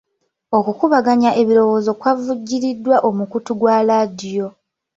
Okukubaganya ebirowoozo kwavujjiriddwa omukutu gwa laadiyo.